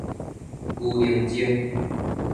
牛奶精